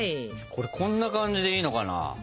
これこんな感じでいいのかな？